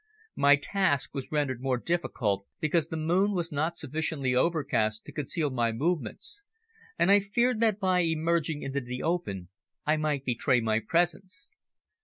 My task was rendered more difficult because the moon was not sufficiently overcast to conceal my movements, and I feared that by emerging into the open I might betray my presence.